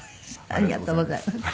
ありがとうございます。